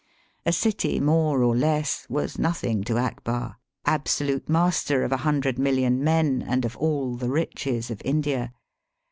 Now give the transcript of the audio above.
A city more or less was nothing to Akbar, absolute master of a hundred million men and of all the riches of India.